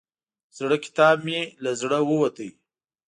زړه کتاب مې له زړه ووت.